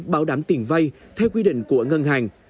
bảo đảm tiền vay theo quy định của ngân hàng